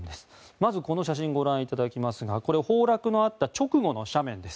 まず、この写真をご覧いただきますが崩落のあった直後の斜面です。